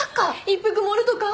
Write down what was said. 一服盛るとか？